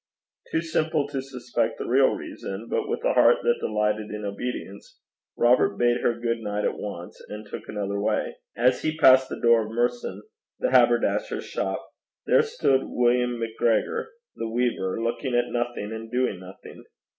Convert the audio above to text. Too simple to suspect the real reason, but with a heart that delighted in obedience, Robert bade her good night at once, and took another way. As he passed the door of Merson the haberdasher's shop, there stood William MacGregor, the weaver, looking at nothing and doing nothing.